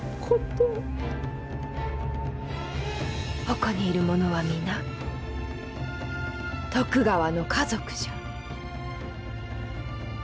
ここにいる者は皆徳川の家族じゃ。